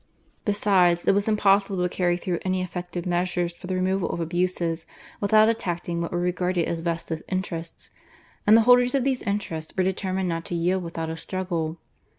Besides, it was impossible to carry through any effective measures for the removal of abuses without attacking what were regarded as vested interests, and the holders of these interests were determined not to yield without a struggle.